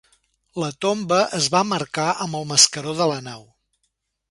La tomba es va marcar amb el mascaró de la nau.